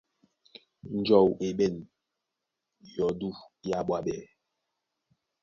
Njɔu e ɓɛ̂n yɔdú yá ɓwaɓɛ̀.